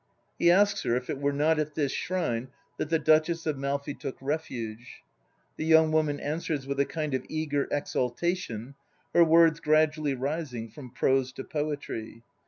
He asks her if it were not at this shrine that the Duchess of Malfi took refuge. The young woman answers with a kind of eager ex altation, her words gradually rising from prose to poetry.